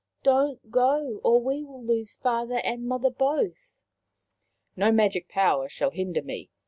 1 Do not go, or we lose father and mother both." " No magic power shall hinder me.